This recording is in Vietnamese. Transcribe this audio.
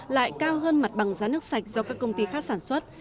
lại cao hơn mặt bằng giá nước sạch do các công ty khác sản xuất